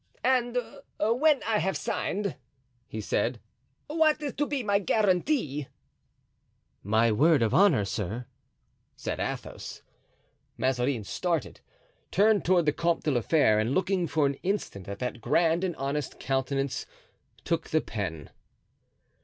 "And when I have signed," he said, "what is to be my guarantee?" "My word of honor, sir," said Athos. Mazarin started, turned toward the Comte de la Fere, and looking for an instant at that grand and honest countenance, took the pen.